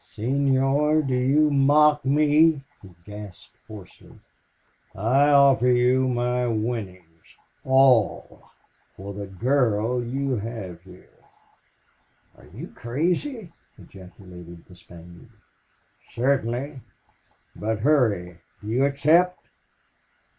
"Senor do you mock me?" he gasped, hoarsely. "I offer you my winnings ALL FOR THE GIRL YOU HAVE HERE!" "You are crazy!" ejaculated the Spaniard. "Certainly... But hurry! Do you accept?"